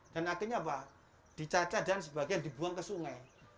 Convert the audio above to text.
dan akhirnya apa dicaca dan sebagian dibuang ke sungai